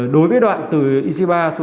đối với đoạn từ ic ba